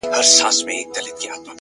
په هغه ورځ خو ژوندی نه ومه” پاچا مړ سوم”